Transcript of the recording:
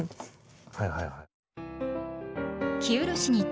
はいはいはい。